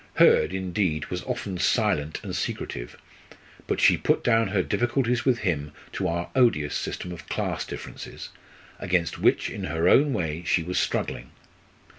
Hurd, indeed, was often silent and secretive; but she put down her difficulties with him to our odious system of class differences, against which in her own way she was struggling.